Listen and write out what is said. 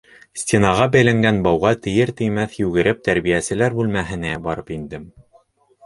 Стенаға бәйләнгән бауға тейер-теймәҫ йүгереп тәрбиәселәр бүлмәһенә барып индем.